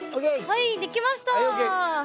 はい出来ました